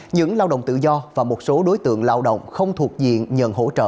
những lao động tự do và một số đối tượng lao động không thuộc diện nhận hỗ trợ